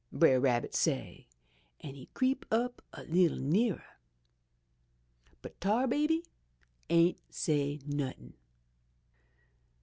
Brer Rabbit say, an' he creep up a leetle nearer. "But Tar Baby ain't say nothin'.